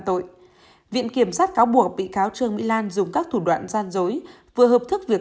tội viện kiểm sát cáo buộc bị cáo trương mỹ lan dùng các thủ đoạn gian dối vừa hợp thức việc